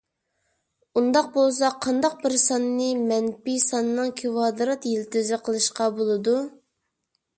ئۇنداق بولسا، قانداق بىر ساننى مەنپىي ساننىڭ كىۋادرات يىلتىزى قىلىشقا بولىدۇ؟